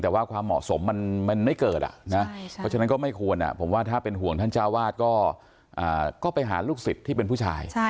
แต่ว่าความเหมาะสมมันไม่เกิดนะเพราะฉะนั้นก็ไม่ควรผมว่าถ้าเป็นห่วงท่านเจ้าวาดก็ไปหาลูกศิษย์ที่เป็นผู้ชาย